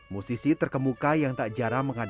musisi terkemuka yang tak jarang mengandung